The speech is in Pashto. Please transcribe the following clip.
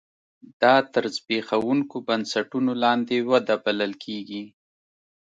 دا تر زبېښونکو بنسټونو لاندې وده بلل کېږي.